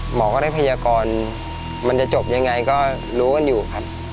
หมอก็ได้พยากรมันจะจบยังไงก็รู้กันอยู่ครับ